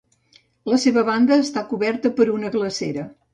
La seva banda est està coberta per una glacera.